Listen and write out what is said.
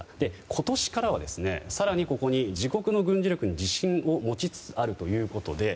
今年からは更に自国の軍事力に自信を持ちつつあるということで。